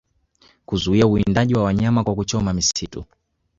kuzuia uwindaji wa wanyama kwa kuchoma misitu